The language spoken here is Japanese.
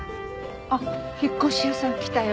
あっ引っ越し屋さん来たよ。